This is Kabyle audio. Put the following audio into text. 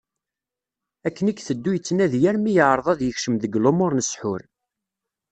Akken i iteddu yettnadi armi yeεreḍ ad yekcem deg lumuṛ n ssḥur.